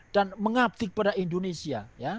dan mengabdik pada indonesia